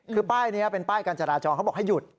คือป้ายนี้เป็นป้ายการจราจรเขาบอกให้หยุด